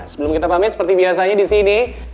sebelum kita pamit seperti biasanya disini